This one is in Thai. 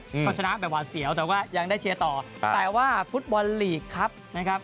ก็มีคนชนะเป็นพอเสียวแต่ยังได้เชื้อต่อแต่ว่าฟุตบอลหลีกครับนะครับ